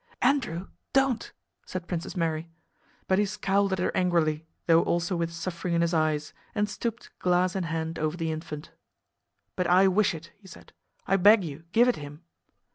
"Andrew, don't!" said Princess Mary. But he scowled at her angrily though also with suffering in his eyes, and stooped glass in hand over the infant. "But I wish it," he said. "I beg you—give it him!"